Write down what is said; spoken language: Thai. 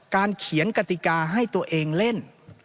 เขียนกติกาให้ตัวเองเล่น